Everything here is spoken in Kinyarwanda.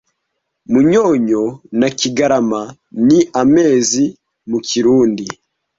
Munyonyo na Kigarama ni amezi mu kirundi